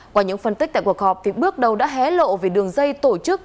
qua những phân tích tại cuộc họp bước đầu đã hé lộ về đường dây tổ chức